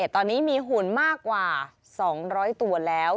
ตอนนี้มีหุ่นมากกว่า๒๐๐ตัวแล้ว